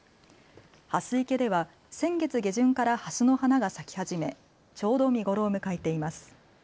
蓮池では先月下旬からハスの花が咲き始め、ちょうど見頃を迎えています。